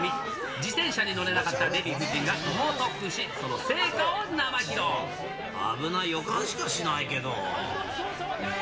自転車に乗れなかったデヴィ夫人が猛特訓し、危ない予感しかしないけど。